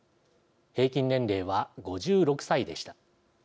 平均年齢は５６歳でした。